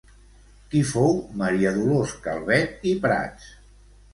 Qui fou Maria Dolors Calvet i Prats?